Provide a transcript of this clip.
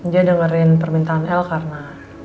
dia dengerin permintaan l karena